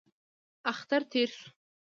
اختر تېر شو.